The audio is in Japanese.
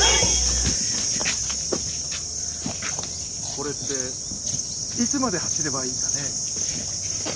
これっていつまで走ればいいかねぇ？